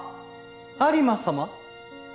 有馬様。